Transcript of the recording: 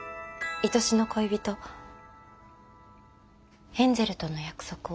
いとしの恋人ヘンゼルとの約束を。